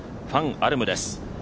ファン・アルムです。